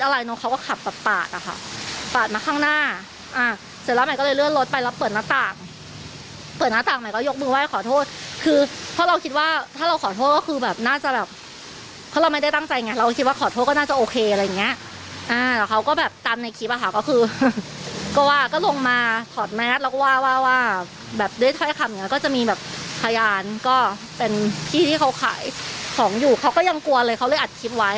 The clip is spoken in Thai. และทายานก็เป็นที่ที่เขาขายของอยู่เขาก็ยังกลัวเลยเขาก็เลยอัดคิดไว้